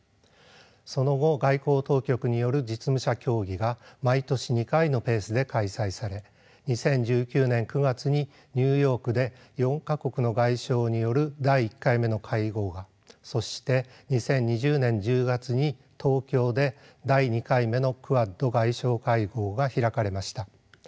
その後外交当局による実務者協議が毎年２回のペースで開催され２０１９年９月にニューヨークで４か国の外相による第１回目の会合がそして２０２０年１０月に東京で第２回目のクアッド外相会合が開かれました。